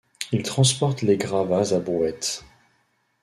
il transporte les gravas à brouette